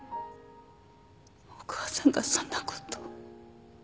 お母さんがそんなことを。